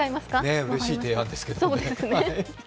うれしい提案ですけどね。